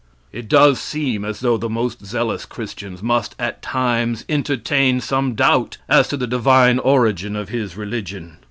It does seem as though the most zealous Christians must at times entertain some doubt as to the divine origin of his religion.